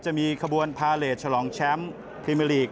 จะมีขบวนผ่าเหล็ดฉลองแชมป์พรีมีอลีก